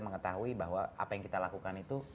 mengetahui bahwa apa yang kita lakukan itu